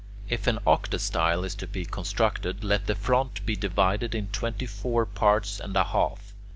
If an octastyle is to be constructed, let the front be divided into twenty four parts and a half.